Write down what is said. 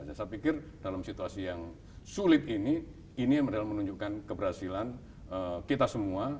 saya pikir dalam situasi yang sulit ini ini adalah menunjukkan keberhasilan kita semua